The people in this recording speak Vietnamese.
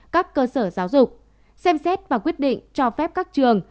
các cơ sở giáo dục xem xét và quyết định cho phép các trường